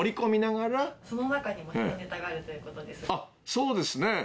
そうですね。